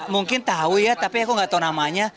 mungkin tau ya tapi aku gak tau namanya